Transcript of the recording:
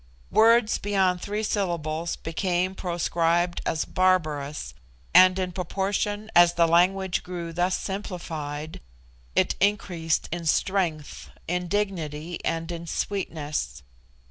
Words beyond three syllables became proscribed as barbarous and in proportion as the language grew thus simplified it increased in strength, in dignity, and in sweetness.